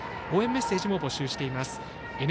応援メッセージも募集しています。